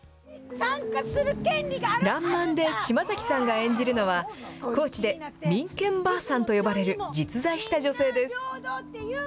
らんまんで島崎さんが演じるのは、高知で民権ばあさんと呼ばれる実在した女性です。